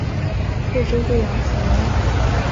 贵州贵阳府人。